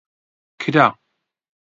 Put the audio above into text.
کرا.